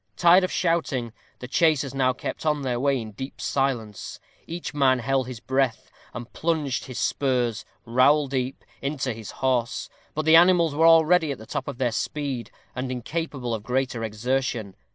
Tired of shouting, the chasers now kept on their way in deep silence; each man held his breath, and plunged his spurs, rowel deep, into his horse; but the animals were already at the top of their speed, and incapable of greater exertion.